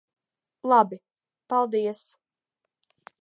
Labi. Paldies.